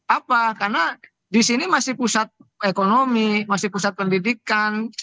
apa karena di sini masih pusat ekonomi masih pusat pendidikan